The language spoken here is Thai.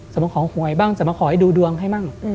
มาขอหวยบ้างจะมาขอให้ดูดวงให้บ้าง